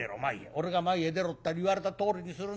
俺が前へ出ろったら言われたとおりにするんだよ。